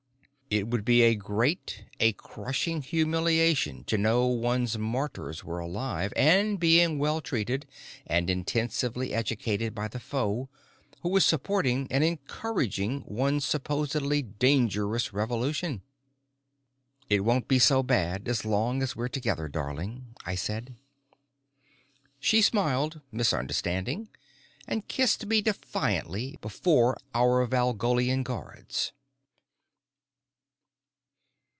It would be a great, a crushing humiliation, to know one's martyrs were alive and being well treated and intensively educated by the foe, who was supporting and encouraging one's supposedly dangerous revolution. "It won't be so bad as long as we're together, darling," I said. She smiled, misunderstanding, and kissed me defiantly before our Valgolian guards.